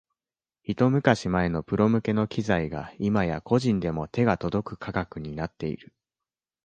ひと昔前のプロ向けの機材が今や個人でも手が届く価格になっている